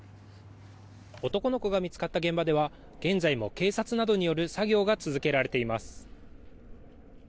男の子が見つかった現場では現在も警察などによる作業が続けられています。